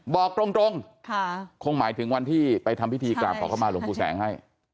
บอกตรงคงหมายถึงวันที่ไปทำพิธีกราบขอเข้ามาหลวงปู่แสงให้